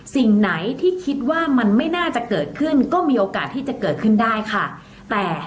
สิ่งไหนที่คิดว่ามันไม่น่าจะเกิดขึ้นก็มีโอกาสที่จะเกิดขึ้นได้ค่ะแต่